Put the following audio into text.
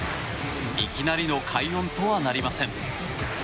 いきなりの快音とはなりません。